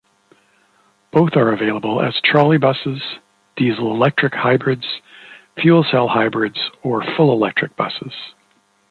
Both are available as trolley buses, diesel-electric hybrids, fuel-cell hybrids or full-electric buses.